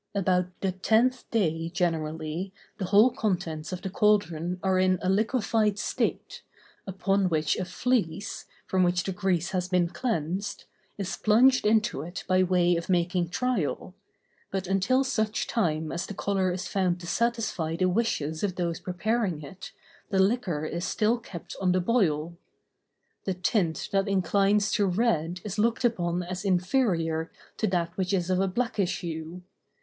About the tenth day, generally, the whole contents of the cauldron are in a liquefied state, upon which a fleece, from which the grease has been cleansed, is plunged into it by way of making trial; but until such time as the color is found to satisfy the wishes of those preparing it, the liquor is still kept on the boil. The tint that inclines to red is looked upon as inferior to that which is of a blackish hue.